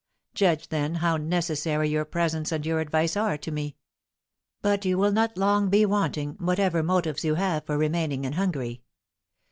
Judge, then, how necessary your presence and your advice are to me. But you will not long be wanting, whatever motives you have for remaining in Hungary.